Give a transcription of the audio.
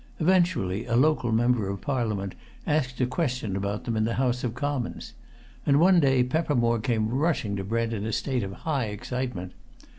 Eventually a local Member of Parliament asked a question about them in the House of Commons. And one day Peppermore came rushing to Brent in a state of high excitement.